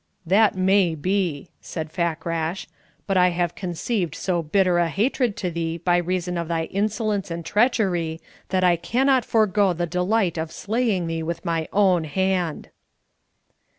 "That may be," said Fakrash; "but I have conceived so bitter a hatred to thee by reason of thy insolence and treachery, that I cannot forego the delight of slaying thee with my own hand."